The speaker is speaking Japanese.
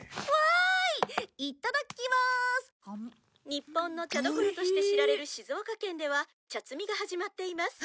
「日本の茶どころとして知られる静岡県では茶摘みが始まっています」